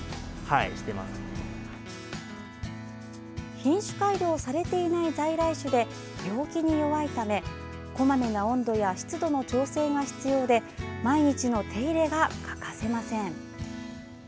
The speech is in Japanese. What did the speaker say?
品種改良されていない在来種で、病気に弱いためこまめな温度や湿度の調整が必要で毎日の手入れが欠かせません。